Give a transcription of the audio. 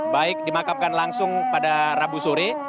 baik dimakamkan langsung pada rabu sore